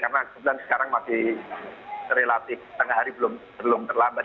karena sekarang masih terelatik setengah hari belum terlambat